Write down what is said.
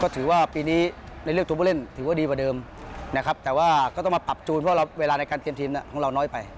ถือว่าปีนี้ในเรื่องตัวผู้เล่นถือว่าดีกว่าเดิมนะครับแต่ว่าก็ต้องมาปรับจูนเพราะเวลาในการเตรียมทีมของเราน้อยไป